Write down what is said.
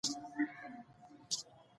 اداري اصلاح د نظام د بقا لپاره مهم شرط دی